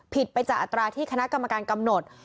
ผิดไปจากอัตราที่คกรกันกำหนด